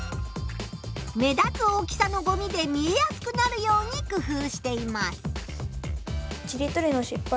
目立つ大きさのごみで見えやすくなるように工夫しています。